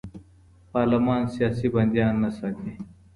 پارلمان سیاسي بندیان نه ساتي.